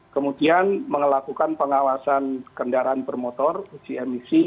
kemudian melakukan pengawasan kendaraan bermotor uji emisi